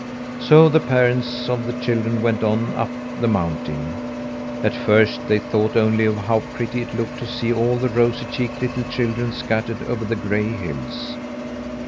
So the parents of the children went on up the mountain. At first they thought only of how pretty it looked to see all the rosy cheeked little children scattered over the gray hills.